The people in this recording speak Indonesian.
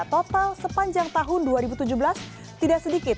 total sepanjang tahun dua ribu tujuh belas tidak sedikit